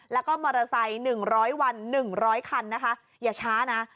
แล้วก็มอเตอร์ไซค์๑๐๐วัน๑๐๐คันนะคะอย่าช้านะ